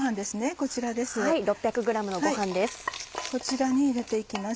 こちらに入れて行きます。